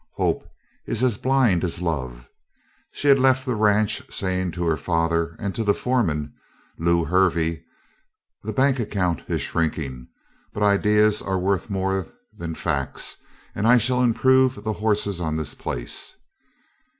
Hope is as blind as love. She had left the ranch saying to her father and to the foreman, Lew Hervey: "The bank account is shrinking, but ideals are worth more than facts and I shall improve the horses on this place."